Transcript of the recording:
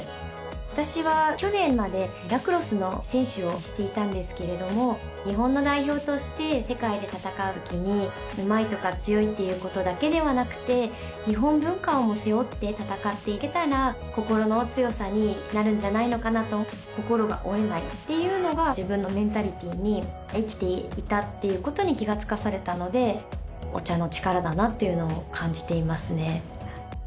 私は去年までラクロスの選手をしていたんですけれども日本の代表として世界で戦うときにうまいとか強いっていうことだけではなくて日本文化をも背負って戦っていけたら心の強さになるんじゃないのかなと心が折れないっていうのが自分のメンタリティに生きていたっていうことに気がつかされたのでお茶の力だなっていうのを感じていますね